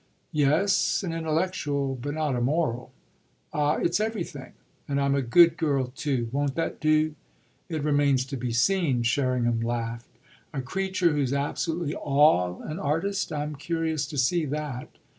"Yes, an intellectual, but not a moral." "Ah it's everything! And I'm a good girl too won't that do?" "It remains to be seen," Sherringham laughed. "A creature who's absolutely all an artist I'm curious to see that."